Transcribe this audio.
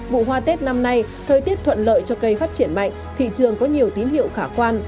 vụ hoa tết năm nay thời tiết thuận lợi cho cây phát triển mạnh thị trường có nhiều tín hiệu khả quan